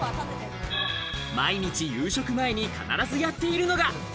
毎日、夕食前に必ずやっているのが。